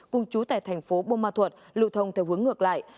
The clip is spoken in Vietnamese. cùng chú tại thành phố bông ma thuột lưu thông theo hướng ngược lại